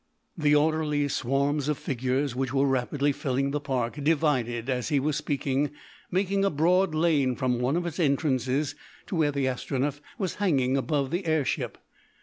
The orderly swarms of figures, which were rapidly filling the park, divided as he was speaking, making a broad lane from one of its entrances to where the Astronef was hanging above the air ship.